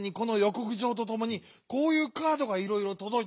こくじょうとともにこういうカードがいろいろとどいています。